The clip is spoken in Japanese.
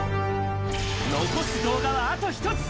残す動画はあと１つ。